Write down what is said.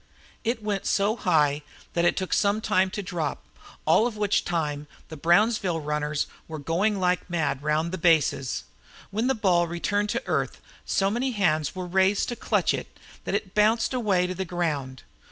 It went so high that it took sometime to drop, all of which time the Brownsville runners were going like mad round the bases. When the ball returned to earth, so many hands were raised to clutch it that it bounced away to the ground.